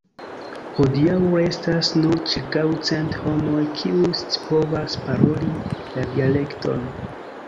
Hodiaŭ restas nur ĉirkaŭ cent homoj kiuj scipovas paroli la dialekton.